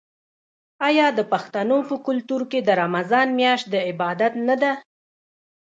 آیا د پښتنو په کلتور کې د رمضان میاشت د عبادت نه ده؟